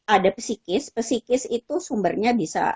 ada pesikis pesikis itu sumbernya